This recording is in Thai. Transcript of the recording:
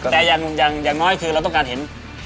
แต่อย่างน้อยคือเราต้องการเห็น